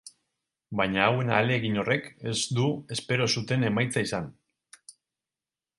Baina hauen ahalegin horrek ez du espero zuten emaitza izan.